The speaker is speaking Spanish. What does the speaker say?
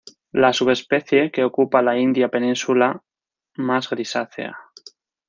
La subespecie que ocupa la India península más grisácea.